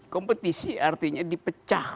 kompetisi artinya dipecah